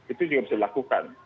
itu juga bisa dilakukan